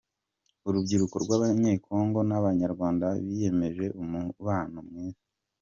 Urubyiruko rw’Abanyekongo n’Abanyarwanda biyemeje umubano mwiza